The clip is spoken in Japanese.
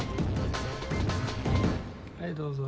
はいどうぞ。